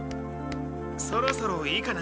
そろそろいいかな。